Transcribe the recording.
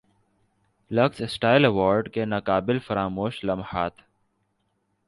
looks style award کے ناقابل فراموش لمحات